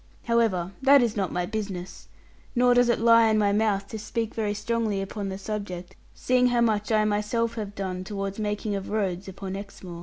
However, that is not my business; nor does it lie in my mouth to speak very strongly upon the subject, seeing how much I myself have done towards making of roads upon Exmoor.